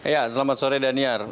ya selamat sore daniar